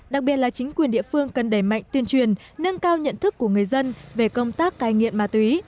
các ngành địa phương cần đẩy mạnh tuyên truyền nâng cao nhận thức của người dân về công tác cai nghiện ma túy